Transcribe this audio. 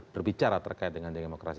berbicara terkait dengan demokrasi